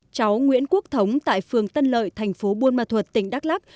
cháu nguyễn quốc thống tại phường tân lợi thành phố buôn ma thuật tỉnh đắk lắc